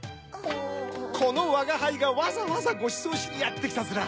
このわがはいがわざわざごちそうしにやってきたヅラ。